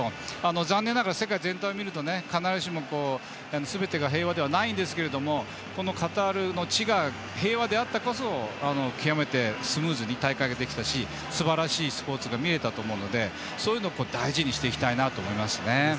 残念ながら世界全体を見るとすべて平和ではないですがこのカタールの地が平和であったからこそ極めてスムーズに大会ができたしすばらしいスポーツができたのでそういうのを大事にしていきたいと思います。